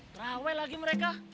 trawe lagi mereka